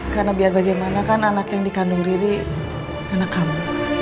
karena biar bagaimana kan anak yang dikandung riri anak kamu